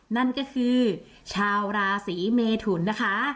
นั่นก็คือชาวราศีเมทุนนะคะ